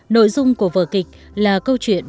nội dung của vờ kịch là câu chuyện